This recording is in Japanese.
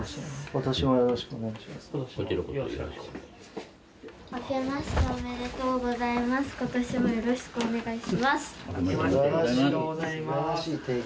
今年もよろしくお願いします。